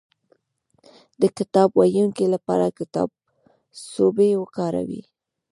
د کتاب ويونکي لپاره کتابڅوبی وکاروئ